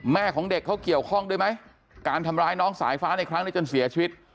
ของเด็กเขาเกี่ยวข้องด้วยไหมการทำร้ายน้องสายฟ้าในครั้งนี้จนเสียชีวิต